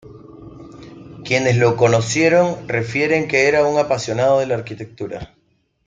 Quienes lo conocieron refieren que era un apasionado de la arquitectura.